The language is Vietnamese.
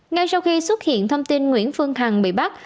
ngay sau khi xuất hiện thông tin nguyễn phương hằng bị bắt